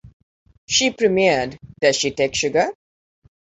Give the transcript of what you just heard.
She premiered Does She Take Sugar?